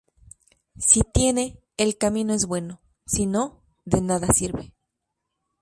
Si tiene, el camino es bueno; si no, de nada sirve.